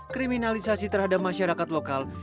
kriminalisasi terhadap masyarakat lokal